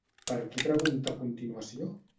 Per qui pregunta a continuació?